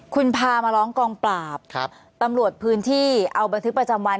คุณพามาร้องกองปราบตำรวจพื้นที่เอาบันทึกประจำวัน